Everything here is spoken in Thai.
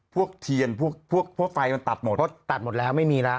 พวกเทียนพวกพวกไฟมันตัดหมดเพราะตัดหมดแล้วไม่มีแล้ว